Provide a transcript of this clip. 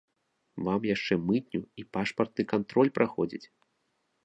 Вам яшчэ мытню і пашпартны кантроль праходзіць.